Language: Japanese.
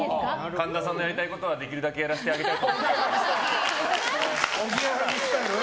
神田さんのやりたいことはできるだけやらせてあげたいとおぎやはぎスタイル？